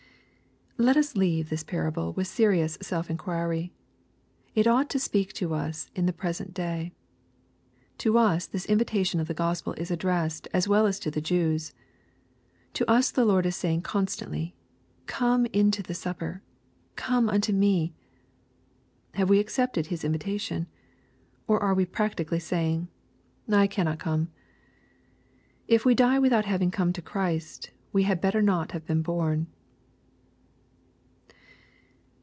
'' Let us leave this parable with serious self inquiry. It ought to speak to us in the present day. To us this invitation of the Gospel is addressed as well as to the Jews. To us the Lord is saying constantly, " Come unto the supper, — Come unto me." — Have we accepted His invitation ? Or are we practically saying, " I cannot come." If we die without having come to Christ, we had better never have been born.